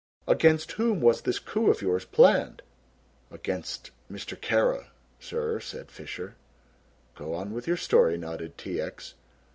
"Against whom was this coup of yours planned?" "Against Mr. Kara, sir," said Fisher. "Go on with your story," nodded T. X.